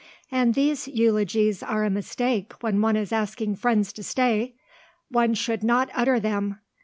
And these eulogies are a mistake when one is asking friends to stay. One should not utter them.